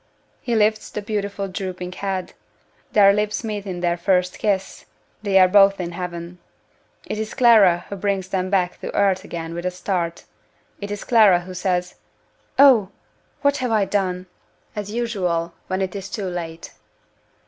He lifts the beautiful drooping head their lips meet in their first kiss they are both in heaven: it is Clara who brings them back to earth again with a start it is Clara who says, "Oh! what have I done?" as usual, when it is too late.